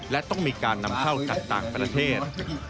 และต้องมีการนำเข้าจากต่างประเทศ